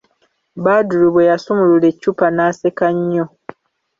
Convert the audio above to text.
Badru bwe yasumulula eccupa n'asseka nnyo.